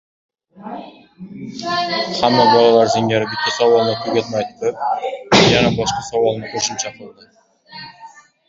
Hamma bolalar singari bitta savolini tugatmay turib, yana boshqa savolni qoʻshimcha qildi: